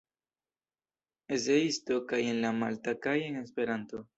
Eseisto kaj en la malta kaj en Esperanto.